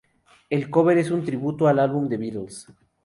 El cover es un tributo al álbum The Beatles.